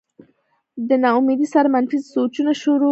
د نا امېدۍ سره منفي سوچونه شورو شي